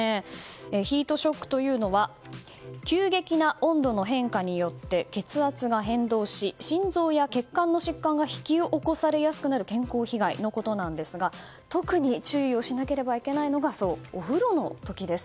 ヒートショックとは急激な温度の変化によって血圧が変動し心臓や血管の疾患が引き起こされやすくなる健康被害のことなんですが特に注意しなければいけないのがお風呂の時です。